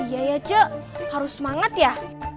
iya ya cek harus semangat ya